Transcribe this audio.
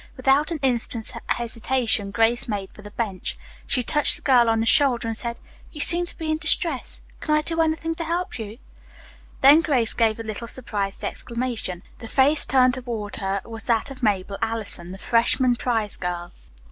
Without an instant's hesitation Grace made for the bench. She touched the girl on the shoulder and said, "You seem to be in distress. Can I do anything to help you?" Then Grace gave a little surprised exclamation. The face turned toward her was that of Mabel Allison, the freshman prize girl.